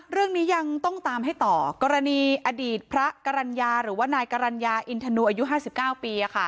เรื่องนี้ยังต้องตามให้ต่อกรณีอดีตพระกรรณญาหรือว่านายกรรณญาอินทนูอายุ๕๙ปี